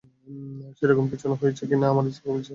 সেরকম কিছু না ঐ হয়েছে কী, আমার ইচ্ছা করছিল, তাই ব্যবহার করলাম।